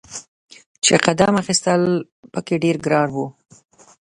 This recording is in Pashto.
چې قدم اخیستل په کې ډیر ګران و.